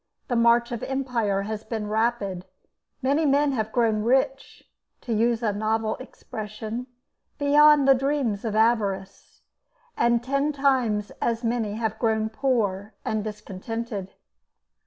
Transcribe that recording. The march of empire has been rapid; many men have grown rich, to use a novel expression, beyond the dreams of avarice, and ten times as many have grown poor and discontented.